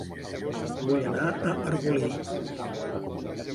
Vull anar a Arbolí